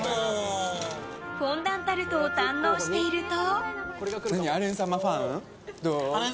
フォンダンタルトを堪能していると。